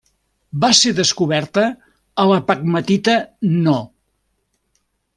Va ser descoberta a la pegmatita No.